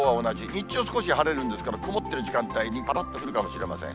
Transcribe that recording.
日中少し晴れるんですけど、曇ってる時間帯にぱらっと降るかもしれません。